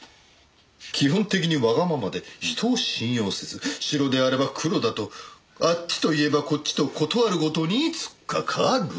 「基本的にわがままで人を信用せず白であれば黒だとあっちと言えばこっちと事あるごとに突っかかる」